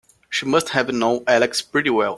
She must have known Alex pretty well.